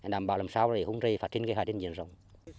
đảm bảo làm sao để không rầy phát triển cây hải đến nhiệt rộng